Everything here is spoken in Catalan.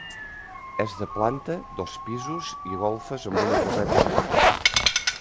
És de planta, dos pisos i golfes, amb una torreta al mig.